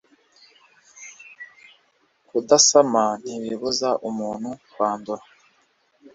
kudasama ntibibuza umuntu kwandura